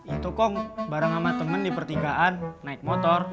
itu kok bareng sama temen di pertigaan naik motor